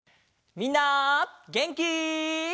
みんなげんき？